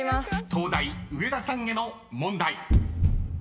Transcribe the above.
［東大上田さんへの問題］